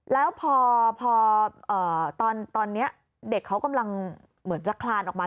แล้วพอตอนนี้เด็กเขากำลังเหมือนจะคลานออกมา